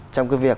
trong cái việc